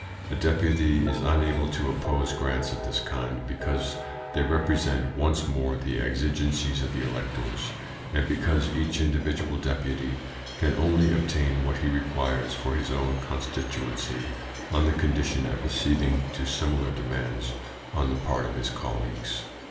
A Deputy is unable to oppose grants of this kind because they represent once more the exigencies of the electors, and because each individual Deputy can only obtain what he requires for his own constituency on the condition of acceding to similar demands on the part of his colleagues.